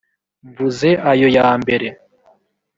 Mvuze ayo yambere.